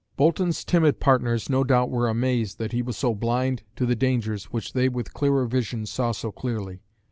Boulton's timid partners no doubt were amazed that he was so blind to the dangers which they with clearer vision saw so clearly.